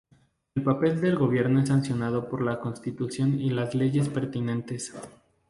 El papel del Gobierno es sancionado por la Constitución y las leyes pertinentes.